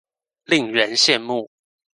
令人羡慕